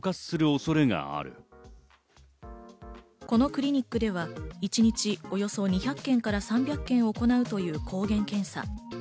このクリニックでは一日およそ２００件から３００件を行うという抗原検査。